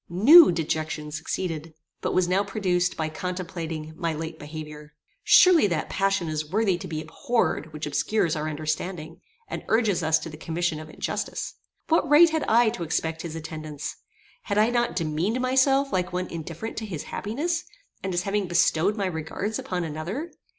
New dejection succeeded, but was now produced by contemplating my late behaviour. Surely that passion is worthy to be abhorred which obscures our understanding, and urges us to the commission of injustice. What right had I to expect his attendance? Had I not demeaned myself like one indifferent to his happiness, and as having bestowed my regards upon another?